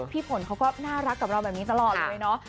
พี่ฝนเขาก็น่ารักกับเราแบบนี้ตลอดเลยเนาะ